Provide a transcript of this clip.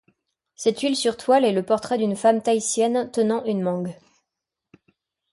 Cette huile sur toile est le portrait d'une femme tahitienne tenant une mangue.